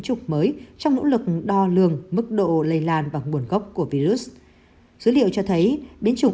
trục mới trong nỗ lực đo lường mức độ lây lan và nguồn gốc của virus dữ liệu cho thấy biến chủng